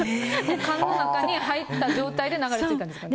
缶の中に入った状態で流れ着いたんですか。